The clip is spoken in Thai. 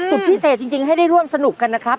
สุดพิเศษจริงให้ได้ร่วมสนุกกันนะครับ